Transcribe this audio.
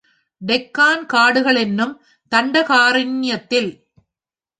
டெக்கான் காடுகளென்னும் தண்ட காரண்யத்தில்.